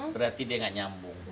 berarti dia gak nyambung